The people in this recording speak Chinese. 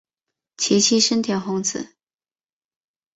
其妻笙田弘子。